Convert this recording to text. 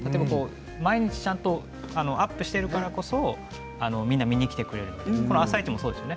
毎日ちゃんとアップしてるからこそみんな見にきてくれる「あさイチ」もそうですよね。